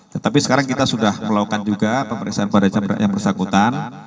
tetapi sekarang kita sudah melakukan juga pemeriksaan pada jam beratnya persangkutan